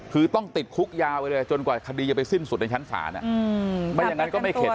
คือต้องติดคุกยาวไปเลยจนกว่าคดีจะไปสิ้นสุดในชั้นศาลไม่อย่างนั้นก็ไม่เข็ด